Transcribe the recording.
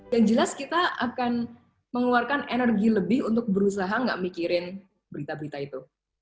yang jelas kita akan mengeluarkan energi lebih untuk berusaha nggak mikirin berita berita itu